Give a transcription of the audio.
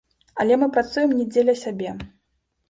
Але мы працуем не дзеля сябе.